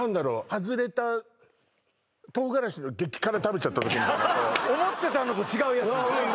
ハズレた唐辛子の激辛食べちゃった時みたいな思ってたのと違うやつですね